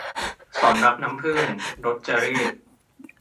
ศรรักน้ำผึ้ง - รจเรข